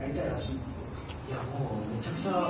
もうめちゃくちゃ。